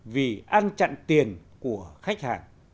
vì an chặn tiền của khách hàng